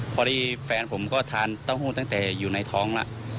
พอดีแฟนผมก็ทานเต้าหู้ตั้งแต่อยู่ในท้องแล้ว